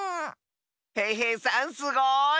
へいへいさんすごい！